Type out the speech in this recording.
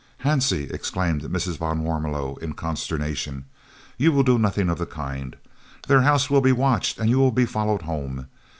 "Hansie!" exclaimed Mrs. van Warmelo in consternation, "you will do nothing of the kind. Their house will be watched, and you will be followed home.